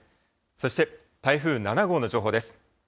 そして、台風７号の情報です。